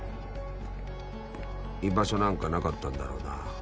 居場所なんかなかったんだろうな。